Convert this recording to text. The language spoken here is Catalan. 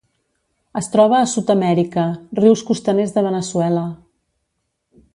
Es troba a Sud-amèrica: rius costaners de Veneçuela.